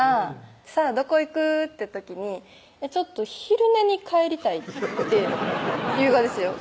さぁどこ行く？って時に「ちょっと昼寝に帰りたい」って言うがですよ